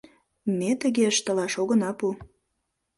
Ме тыге ыштылаш огына пу.